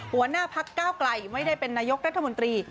หัวหน้าพักก้าวไกลไม่ได้เป็นนายกรัฐมนตรี